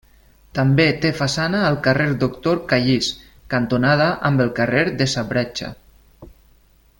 També té façana al carrer Doctor Callís, cantonada amb el carrer de sa Bretxa.